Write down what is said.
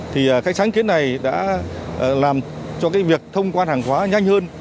thì cái sáng kiến này đã làm cho cái việc thông quan hàng hóa nhanh hơn